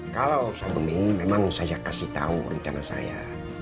kalau sampai ini memang saya kasih tahu rencana saya